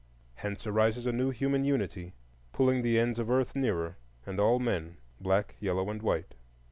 Hence arises a new human unity, pulling the ends of earth nearer, and all men, black, yellow, and white.